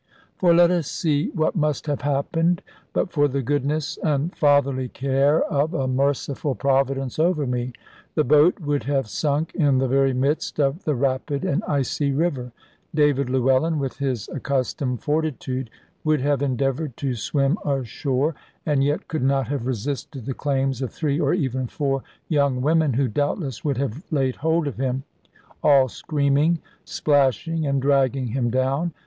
For let us see what must have happened but for the goodness and fatherly care of a merciful Providence over me. The boat would have sunk in the very midst of the rapid and icy river. David Llewellyn, with his accustomed fortitude, would have endeavoured to swim ashore, and yet could not have resisted the claims of three or even four young women, who doubtless would have laid hold of him, all screaming, splashing, and dragging him down.